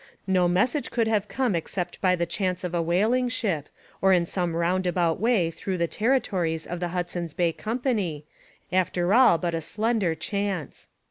No message could have come except by the chance of a whaling ship or in some roundabout way through the territories of the Hudson's Bay Company, after all but a slender chance.